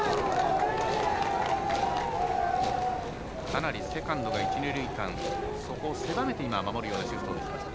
かなり、セカンドが一、二塁間そこを狭めて守るようなシフトを見せました。